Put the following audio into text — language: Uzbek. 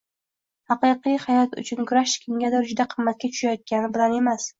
“Haqiqiy hayot” uchun kurash kimgadir juda qimmatga tushayotgani bilan emas